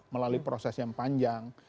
melalui proses yang panjang